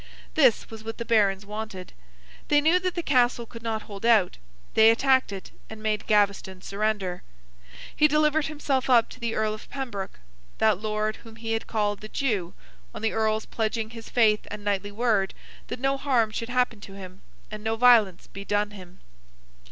This was what the Barons wanted. They knew that the Castle could not hold out; they attacked it, and made Gaveston surrender. He delivered himself up to the Earl of Pembroke—that Lord whom he had called the Jew—on the Earl's pledging his faith and knightly word, that no harm should happen to him and no violence be done him.